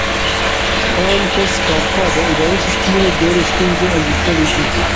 فرانتس کافکا د اداري سیسټمونو ډېرې ستونزې انځور کړې دي.